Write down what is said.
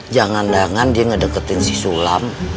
jangan jangan dia ngedeketin si sulam